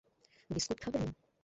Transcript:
Biscuit খাবেন?